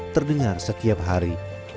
terdengar setiap hari